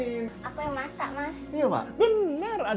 aku yang masak mas